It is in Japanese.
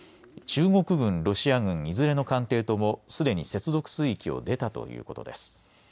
中国軍、ロシア軍、いずれの艦艇とも、すでに接続水域を出たということです。